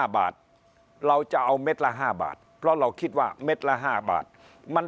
๕บาทเราจะเอาเม็ดละ๕บาทเพราะเราคิดว่าเม็ดละ๕บาทมัน